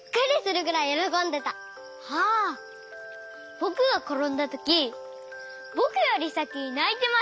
ぼくがころんだときぼくよりさきにないてました。